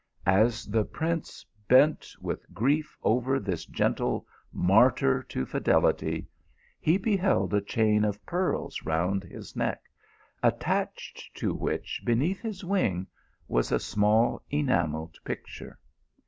As the prince bent with grief over this gentle martyr to fidelity, he beheld a chain of pearls round his neck, attached to which, beneath his wing, was a small enamelled picture.